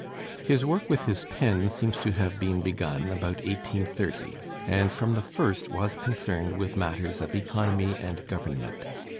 ] His work with his pen seems to have been begun about 1830, and from the first was concerned with matters of economy and government.